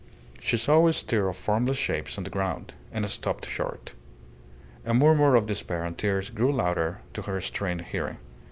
She saw a stir of formless shapes on the ground, and stopped short. A murmur of despair and tears grew louder to her strained hearing.